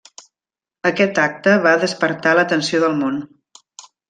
Aquest acte va despertar l'atenció del Món.